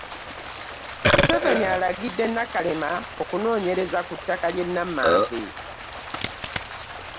Museveni alagidde Nakalema okunoonyereza ku ttaka Namanve